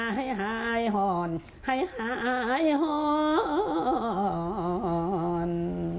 ปกปั้งเช้าประชาให้หายห่อนให้หายห่อน